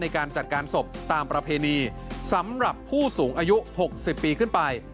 ในการจัดการศพตามประเพณีสำหรับผู้สูงอายุ๖๐ปีขึ้นไป